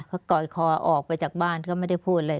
เขากอดคอออกไปจากบ้านก็ไม่ได้พูดอะไร